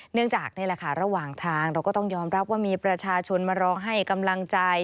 เนื่องจากนี่แหละค่ะระหว่างทางเราก็ต้องยอมรับว่ามีประชาชนมาร้องให้กำลังใจ